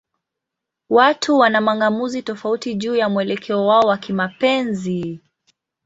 Watu wana mang'amuzi tofauti juu ya mwelekeo wao wa kimapenzi.